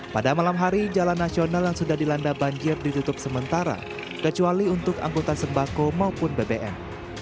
pada malam hari jalan nasional yang sudah dilanda banjir ditutup sementara kecuali untuk angkutan sembako maupun bbm